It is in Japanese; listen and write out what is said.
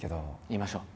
言いましょう！